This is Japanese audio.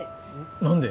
何で？